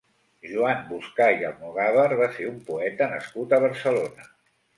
Joan Boscà i Almogàver va ser un poeta nascut a Barcelona.